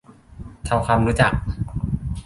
ทำความรู้จัก